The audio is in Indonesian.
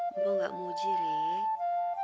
pokok nggak puji rie